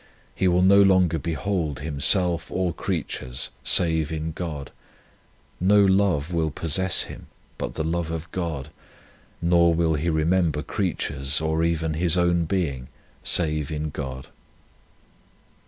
He will no longer behold himself or creatures save in God ; no love will possess him but the love of God, nor will he re member creatures or even his own being, save in God.